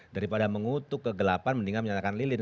daripada mengutuk kegelapan mendingan menyatakan lilin